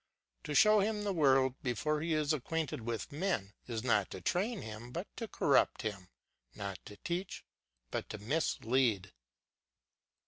To show him the world before he is acquainted with men, is not to train him, but to corrupt him; not to teach, but to mislead.